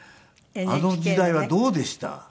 あの時代はどうでした？